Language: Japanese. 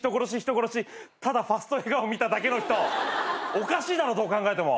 おかしいだろどう考えても。